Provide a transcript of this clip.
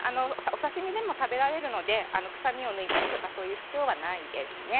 お刺身でも食べられるので臭みを抜いたりとかそういう必要はないんですね。